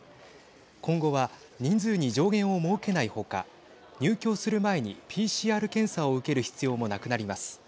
今後は人数に上限を設けない他入境する前にＰＣＲ検査を受ける必要もなくなります。